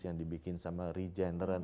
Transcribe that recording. yang dibikin sama regeneron